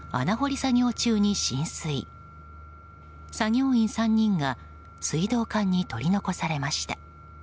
作業員３人が水道管に取り残されました。